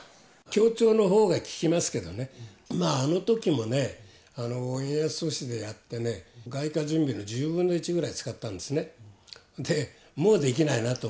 協調のほうが効きますけどね、あのときもね、円安阻止でやってね、外貨準備の１０分の１ぐらい使ったんですね。